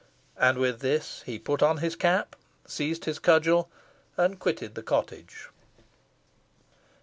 And with this, he put on his cap, seized his cudgel, and quitted the cottage.